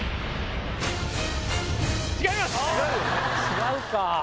違うか。